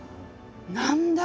「何だ？